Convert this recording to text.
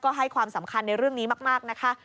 ให้ความสำคัญในเรื่องนี้มากนะคะ